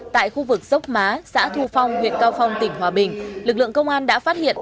tại khu vực dốc má xã thu phong huyện cao phong tỉnh hòa bình lực lượng công an đã phát hiện